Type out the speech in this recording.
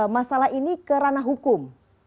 masalah ini kerana hukum